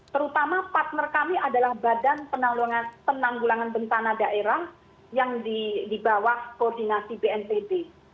terutama partner kami adalah badan penanggulangan bencana daerah yang di bawah koordinasi bnpb